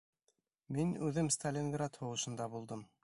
— Мин үҙем Сталинград һуғышында булдым.